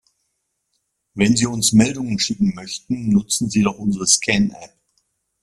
Wenn Sie uns Meldungen schicken möchten, nutzen Sie doch unsere ScanApp.